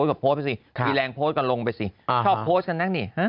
ไม่ได้ได้ขึ้น